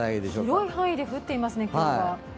広い範囲で降っていますね、今日は。